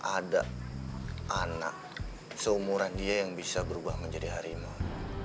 ada anak seumuran dia yang bisa berubah menjadi harimau